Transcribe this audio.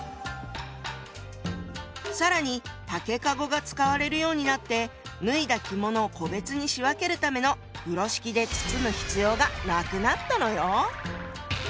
更に竹籠が使われるようになって脱いだ着物を個別に仕分けるための風呂敷で包む必要がなくなったのよ。